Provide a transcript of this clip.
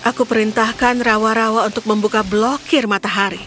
aku perintahkan rawa rawa untuk membuka blokir matahari